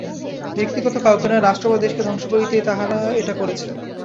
ব্যক্তিগত কাউকে নয়, রাষ্ট্র বা দেশকে ধ্বংস করতেই তারা এটা করেছে।